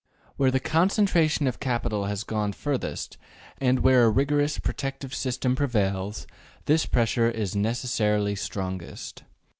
Where the concentration of capital has gone furthest, and where a rigorous protective system prevails, this pressure is necessarily strongest.